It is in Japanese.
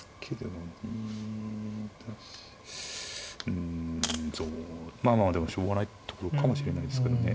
うんそうまあまあでもしょうがないところかもしれないですけどね。